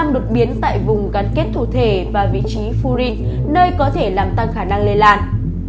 một mươi năm đột biến tại vùng gắn kết thủ thể và vị trí furin nơi có thể làm tăng khả năng lây lan